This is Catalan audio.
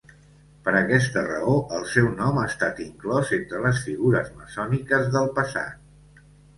Per aquesta raó el seu nom ha estat inclòs entre les figures maçòniques del passat.